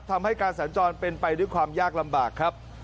ทำให้การสัญจรเป็นไปด้วยความยากลำบากครับ